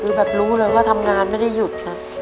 มึงแบบรู้เลยว่าทำงานไม่ได้หยุดนะ